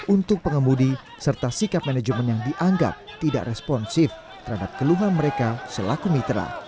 untuk pengemudi serta sikap manajemen yang dianggap tidak responsif terhadap keluhan mereka selaku mitra